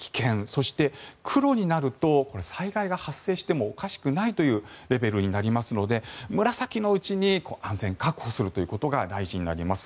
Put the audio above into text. そして、黒になると災害が発生してもおかしくないというレベルになりますので紫のうちに安全を確保するということが大事になります。